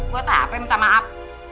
buat apa minta maaf